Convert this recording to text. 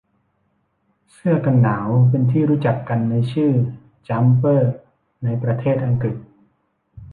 เสื้อกันหนาวเป็นที่รู้จักกันในชื่อ “จั๊มเปอร์” ในประเทษอังกฤษ